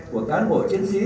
của cán bộ chiến sĩ